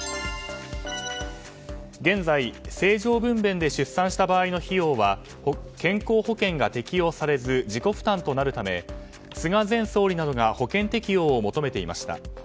現在、正常分娩で出産した場合の費用は健康保険が適用されず自己負担となるため菅前総理などが保険適用を求めていました。